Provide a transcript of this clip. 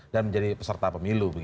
dan menjadi peserta pemilu